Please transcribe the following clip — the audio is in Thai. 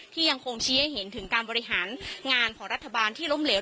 ยังคงชี้ให้เห็นถึงการบริหารงานของรัฐบาลที่ล้มเหลว